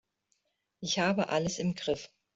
Ich habe alles im Griff.